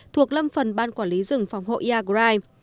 thuộc lâm phần ban quản lý rừng phòng hộ iagrai